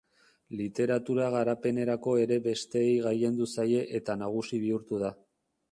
Literatura garapenerako ere besteei gailendu zaie eta nagusi bihurtu da.